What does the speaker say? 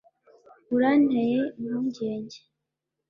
uranteye impungenge.